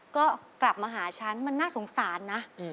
ก็กลับมาหาฉันมันน่าสงสารนะ